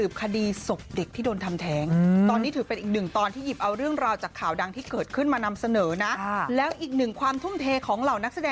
ผ่านทางหน้าจอไทยรัฐทีวีกันมาตลอด